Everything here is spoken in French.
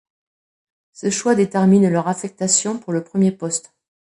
Ce choix détermine leur affectation pour le premier poste.